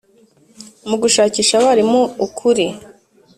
mugushakisha abarimu ukuri.